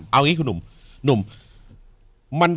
เอาอย่างนี้คุณหนุ่ม